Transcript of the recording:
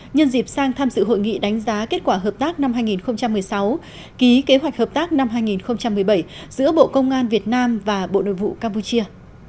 nhân dịp sang tham dự hội nghị đánh giá kết quả hợp tác năm hai nghìn một mươi sáu ký kế hoạch hợp tác năm hai nghìn một mươi bảy giữa bộ công an việt nam và bộ nội vụ campuchia